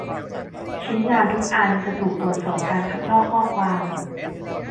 ชิ้นงานทุกอันจะถูกตรวจสอบการคัดลอกข้อความ